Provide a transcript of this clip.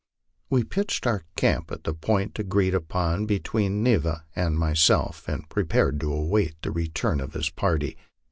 We pitched our camp at the point agreed upon between Neva and myself, and prepared to await the return of his party.